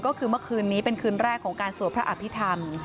ก็คือเมื่อคืนนี้เป็นคืนแรกของการสวดพระอภิษฐรรม